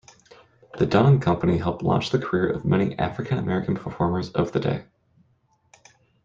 The Dunham Company helped launch the career of many African-American performers of the day.